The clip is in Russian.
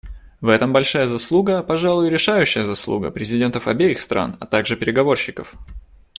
В этом большая заслуга, пожалуй решающая заслуга, президентов обеих стран, а также переговорщиков.